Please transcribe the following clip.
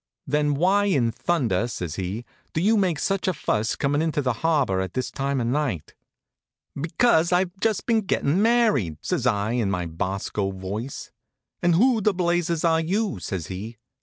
"Then why in thunder," says he, "do you make such a fuss coming into the harbor at this time of night?" "Because I've just been gettin' married," says I, in my Bosco voice. "And who the blazes are you?" says he.